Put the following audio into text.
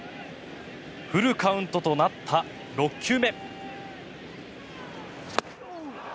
フルカウントとなった６球目。